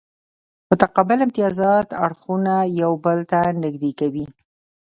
متقابل امتیازات اړخونه یو بل ته نږدې کوي